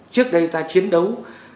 trước đây ta chiến đấu